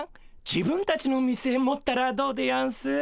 自分たちの店持ったらどうでやんす？